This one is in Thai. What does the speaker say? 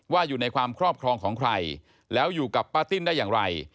อยู่ในความครอบครองของใครแล้วอยู่กับป้าติ้นได้อย่างไร